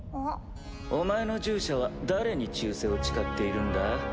お前の従者は誰に忠誠を誓っているんだ？